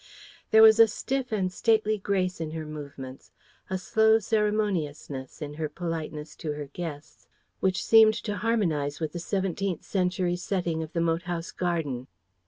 There was a stiff and stately grace in her movements, a slow ceremoniousness, in her politeness to her guests, which seemed to harmonize with the seventeenth century setting of the moat house garden.